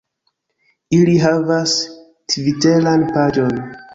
Ili havas tviteran paĝon